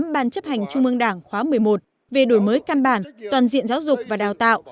ban chấp hành trung ương đảng khóa một mươi một về đổi mới căn bản toàn diện giáo dục và đào tạo